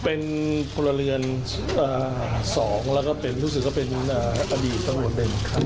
เป็นพลเรือน๒แล้วก็เป็นทุกสิ่งก็เป็นอดีตตำรวจ๑ครับ